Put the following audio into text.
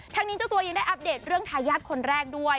นี้เจ้าตัวยังได้อัปเดตเรื่องทายาทคนแรกด้วย